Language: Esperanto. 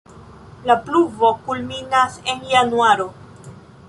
La pluvo kulminas en januaro.